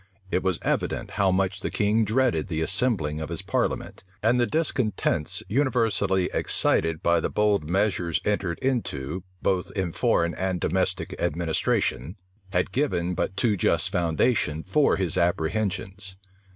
It was evident how much the king dreaded the assembling of his parliament; and the discontents universally excited by the bold measures entered into, both in foreign and domestic administration, had given but too just foundation for his apprehensions.